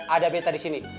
ada minta disini